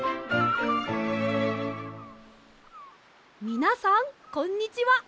みなさんこんにちは。